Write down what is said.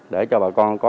để cho bà con có